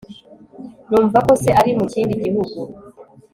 ndumva ko se ari mu kindi gihugu